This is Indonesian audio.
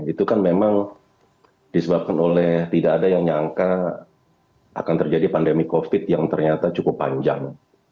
itu kan memang disebabkan oleh tidak ada yang nyangka akan terjadi pandemi covid yang ternyata cukup panjang